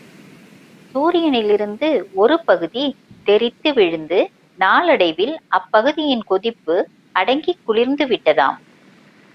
சூரியனிலிருந்து ஒரு பகுதி தெறித்து விழுந்து நாளடைவில் அப்பகுதியின் கொதிப்பு அடங்கிக் குளிர்ந்துவிட்டதாம்.